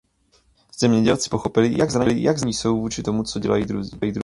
Zemědělci pochopili, jak zranitelní jsou vůči tomu, co dělají druzí.